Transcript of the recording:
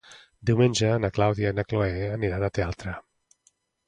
Diumenge na Clàudia i na Cloè aniran al teatre.